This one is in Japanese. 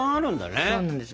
そうなんです。